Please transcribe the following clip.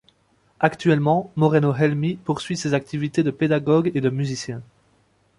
Actuellement, Moreno Helmy poursuit ses activités de pédagogue et de musicien.